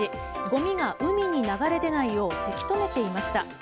ごみが海に流れ出ないようせき止めていました。